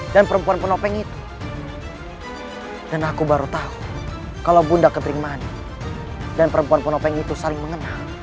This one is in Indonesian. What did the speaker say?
jangan lupa like share dan subscribe